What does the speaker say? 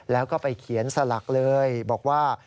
แล้วก็ไปเขียนสลักเลยบอกว่า